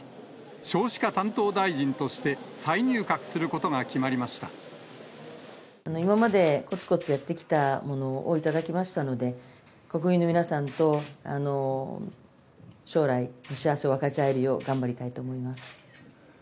少子化担当大臣として、再入閣す今まで、こつこつやってきたものを頂きましたので、国民の皆さんと将来、幸せを分かち合えるよう頑張りたいと思います。